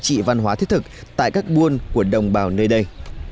các giá trị văn hóa thiết thực tại các buôn của đồng bào nơi đây